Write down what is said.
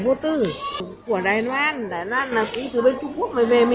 bởi theo người này loại bánh này rất hợp với sở thích của trẻ em